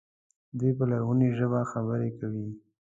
دوی په لرغونې ژبه خبرې کوي.